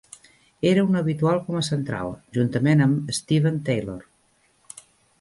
Era un habitual com a central, juntament amb Steven Taylor.